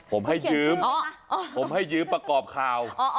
ผมให้ยืมผมให้ยืมประกอบข่าว